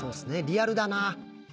リアルだな。